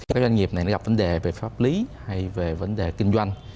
các doanh nghiệp này gặp vấn đề về pháp lý hay về vấn đề kinh doanh